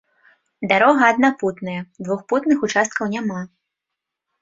Дарога аднапутная, двухпутных участкаў няма.